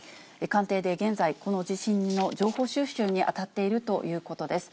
官邸で現在、この地震の情報収集に当たっているということです。